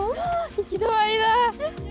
行き止まりだ。